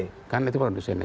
produsennya itu produsennya